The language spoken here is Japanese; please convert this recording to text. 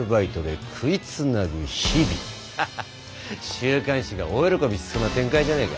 週刊誌が大喜びしそうな展開じゃないか。